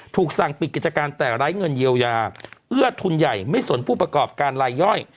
ถูกสั่งปิดกิจการแต่ไร้เงินเยียวยาเอื้อทุนใหญ่ไม่สนผู้ประกอบการลายย่อย